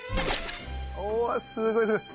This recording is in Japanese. おすごいすごい！